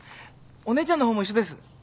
お姉ちゃんの方も一緒です。